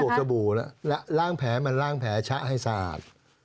น้ำบวกสบู่ล้างแผ่มันล้างแผ่ชะให้สะอาด